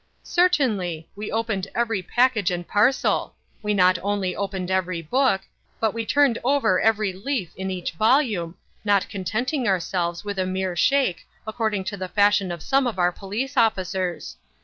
"Certainly; we opened every package and parcel; we not only opened every book, but we turned over every leaf in each volume, not contenting ourselves with a mere shake, according to the fashion of some of our police officers.